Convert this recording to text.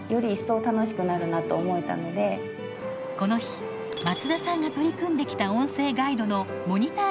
この日松田さんが取り組んできた音声ガイドのモニター